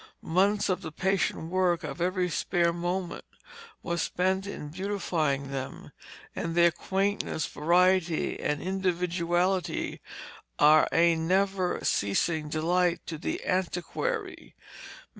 Months of the patient work of every spare moment was spent in beautifying them, and their quaintness, variety, and individuality are a never ceasing delight to the antiquary.